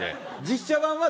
実写版は？